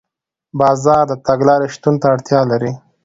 بازار د تګلارې شتون ته اړتیا لري.